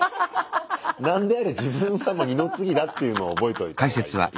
何であれ自分は二の次だっていうのを覚えといたほうがいいね。